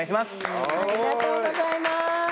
ありがとうございます。